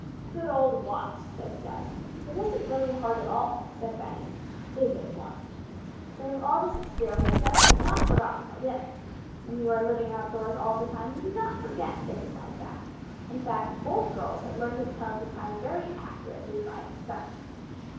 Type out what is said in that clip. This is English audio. "Good old Watch," said Jess. "It isn't really hard at all," said Benny. "Is it, Watch?" During all this experiment Jess had not forgotten her dinner. When you are living outdoors all the time you do not forget things like that. In fact both girls had learned to tell the time very accurately by the sun.